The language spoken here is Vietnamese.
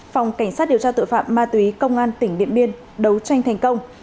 phòng cảnh sát điều tra tội phạm ma túy công an tỉnh điện biên đấu tranh thành công